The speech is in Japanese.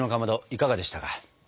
いかがでしたか？